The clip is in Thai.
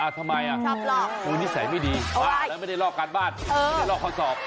ทำไมครูนิสัยไม่ดีบ้าแล้วไม่ได้ลอกการบ้านไม่ได้ลอกข้อสอบ